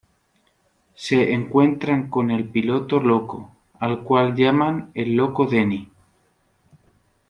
Se encuentran con el Piloto loco, al cual llamaban el loco Denny.